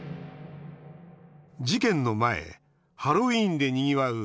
事件の前ハロウィーンでにぎわう